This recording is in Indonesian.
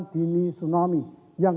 dini tsunami yang